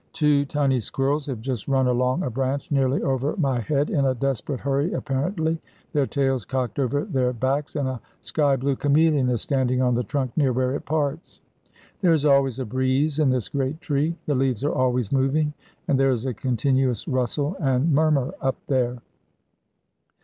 Two tiny squirrels have just run along a branch nearly over my head, in a desperate hurry apparently, their tails cocked over their backs, and a sky blue chameleon is standing on the trunk near where it parts. There is always a breeze in this great tree; the leaves are always moving, and there is a continuous rustle and murmur up there.